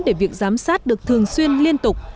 để việc giám sát được thường xuyên liên tục